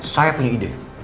saya punya ide